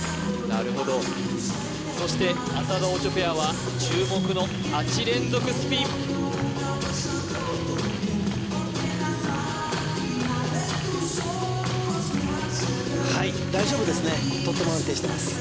なるほどそして浅田・オチョペアは注目の８連続スピンはい大丈夫ですねとっても安定してます